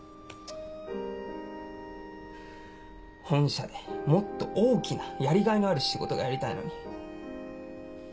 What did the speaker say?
本社でもっと大きなやりがいのある仕事がやりたいのに。